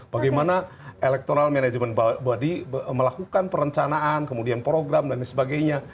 bagaimana electoral management body melakukan perencanaan kemudian program dan sebagainya